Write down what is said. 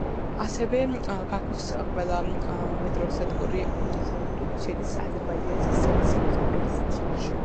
ასევე, ბაქოს ყველა მეტროსადგური შედის აზერბაიჯანის ქსელის მომსახურების ზონაში.